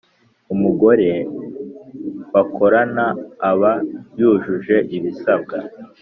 Umugore bakorana aba yujuje ibisabwa